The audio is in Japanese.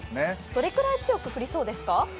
どれぐらい強く降りそうですか？